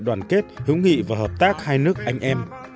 đoàn kết hữu nghị và hợp tác hai nước anh em